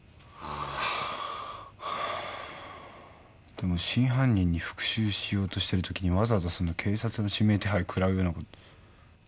でも真犯人に復讐しようとしてるときにわざわざ警察の指名手配くらうようなこと。